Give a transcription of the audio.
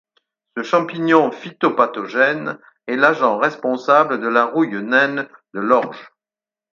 Ce champignon phytopathogène est l'agent responsable de la rouille naine de l'orge.